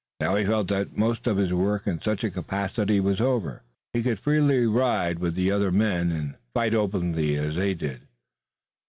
Now he felt that most of his work in such a capacity was over. He could freely ride with the other men and fight openly as they did.